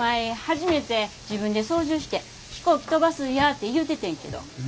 初めて自分で操縦して飛行機飛ばすんやて言うててんけど。